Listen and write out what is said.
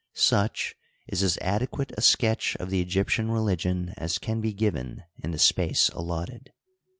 Such is as adequate a sketch of the Egyptian religion as can be given in the space allotted.